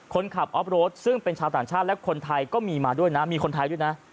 ออฟโรดซึ่งเป็นชาวต่างชาติและคนไทยก็มีมาด้วยนะมีคนไทยด้วยนะ